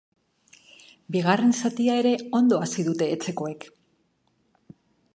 Bigarren zatia ere ondo hasi dute etxekoek.